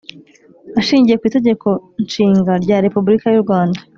Ashingiye ku Itegeko Nshinga rya Repubulika y urwanda